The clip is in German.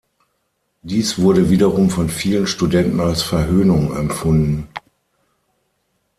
Dies wurde wiederum von vielen Studenten als Verhöhnung empfunden.